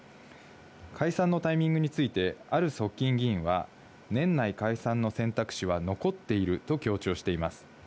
解散のタイミングについて、ある側近議員は、年内解散の選択肢は残っていると強調しています。